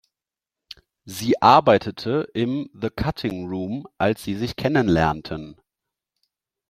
Sie arbeitete im "The Cutting Room", als sie sich kennenlernten.